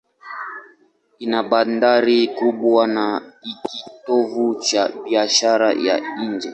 Ina bandari kubwa na ni kitovu cha biashara ya nje.